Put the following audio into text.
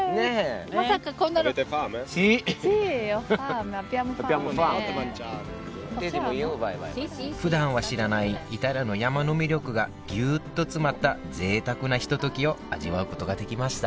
まさかこんなの。ふだんは知らないイタリアの山の魅力がぎゅっと詰まった贅沢なひとときを味わうことができました